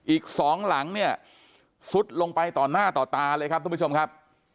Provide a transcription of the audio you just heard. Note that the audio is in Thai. อีกสองหลังเนี่ยซุดลงไปต่อหน้าต่อตาเลยครับทุกผู้ชมครับ